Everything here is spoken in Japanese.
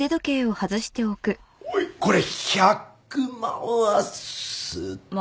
おいこれ１００万はすっぜ。